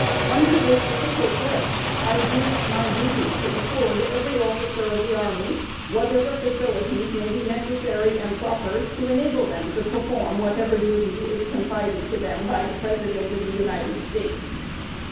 Under this official pledge, I deem it my duty to afford every officer of the army whatever facilities may be necessary and proper, to enable them to perform whatever duty is confided to them by the President of the United States.